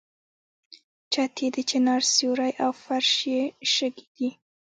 چت یې د چنار سیوری او فرش یې شګې دي.